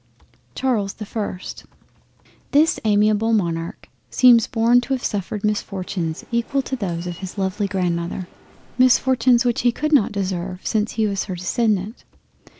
CHARLES the 1st This amiable Monarch seems born to have suffered misfortunes equal to those of his lovely Grandmother; misfortunes which he could not deserve since he was her descendant.